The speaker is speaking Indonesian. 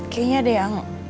kayaknya ada yang